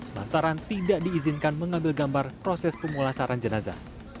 lantaran tidak diizinkan mengambil gambar proses pemulasaran jenazah